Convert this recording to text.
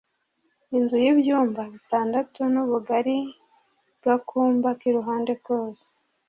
inzu y’ibyumba bitandatu n’ubugari bw’akumba k’iruhande kose